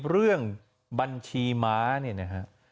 เรื่องบัญชีม้าเนี่ยนะครับ